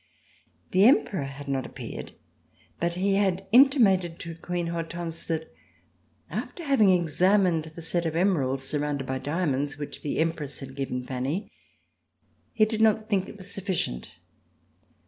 The Emperor had not appeared, but he had intimated to Queen Hortense that, after having examined the set of emeralds surrounded by diamonds which the Empress had given Fanny, he did not think it was sufficient.